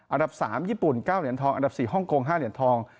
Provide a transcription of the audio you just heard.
อันดับ๓ญี่ปุ่น๙เหรียญทองอันดับ๔ฮ่องกง๕เหรียญทอง